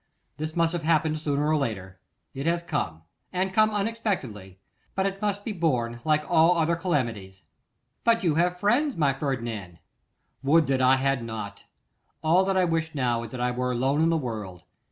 This must have happened sooner or later. It has come, and come unexpectedly: but it must be borne, like all other calamities.' 'But you have friends, my Ferdinand.' 'Would that I had not! All that I wish now is that I were alone in the world.